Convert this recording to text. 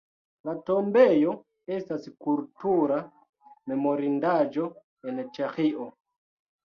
La tombejo estas Kultura memorindaĵo en Ĉeĥio.